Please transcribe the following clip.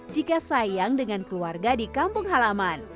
jika sayang dengan keluarga di kampung halaman